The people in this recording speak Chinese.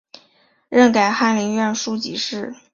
任改翰林院庶吉士。